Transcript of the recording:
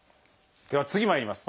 では次まいります。